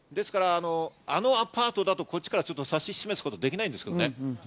あのアパートだとこっちから指し示すことができないんですよね。